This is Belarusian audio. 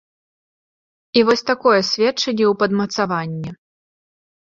І вось такое сведчанне ў падмацаванне.